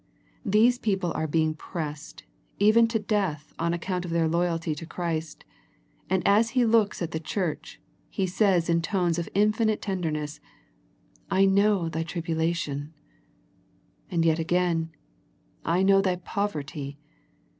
These people were being pressed even to death on account of their loyalty to Christ, and as He looks at the church, He says in tones of infinite tenderness, " I know thy trib ulation." And yet again, " I know thy poverty."